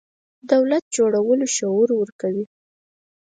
دولت جوړولو شعور ورکوي.